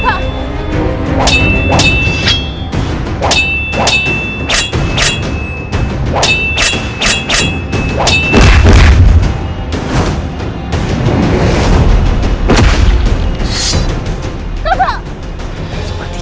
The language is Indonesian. aku bersamaan dengan tuhan